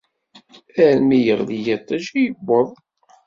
Armi yeɣli yiṭij i yuweḍ.